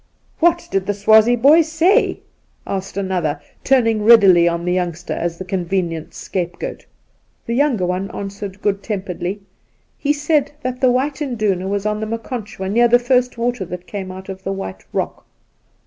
' What did the Swazie boy say ?' asked another, turning readily on the youngster as the convenient scapegoat. The younger one answered good temperedly :' He said that the White Induna was on the Maconchwa, near the first water that came out of the white rock.'